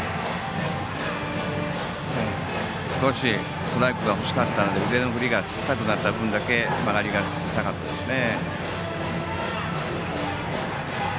ストライクが欲しかったので腕の振りが小さくなった分だけ曲がりが下がってますね。